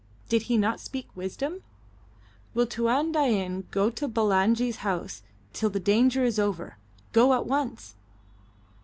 Did he not speak wisdom? Will Tuan Dain go to Bulangi's house till the danger is over, go at once?